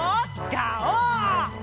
ガオー！